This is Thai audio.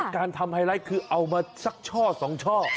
การทำไฮไลท์คือเอามาสักช่อสองช่อ